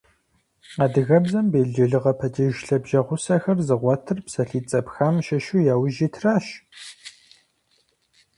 Адыгэбзэм белджылыгъэ падеж лъабжьэгъусэхэр зыгъуэтыр псалъитӏ зэпхам щыщу яужь итращ.